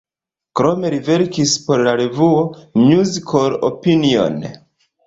Krome li verkis por la revuo "Musical Opinion".